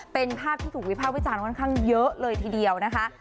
เป็นภาพที่ถูกวิภาควิจารณ์ค่อนข้างเยอะเลยทีเดียวนะคะ